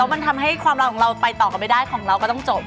มันทำให้ความรักของเราไปต่อกันไม่ได้ของเราก็ต้องจบ